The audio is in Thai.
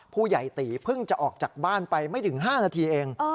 ผู้ใหญ่ตีเพิ่งจะออกจากบ้านไปไม่ถึง๕นาทีเอง